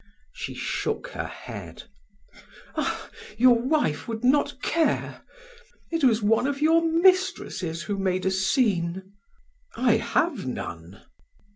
She shook her head: "Ah, your wife would not care. It was one of your mistresses who made a scene." "I have none."